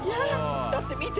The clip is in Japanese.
だって見て！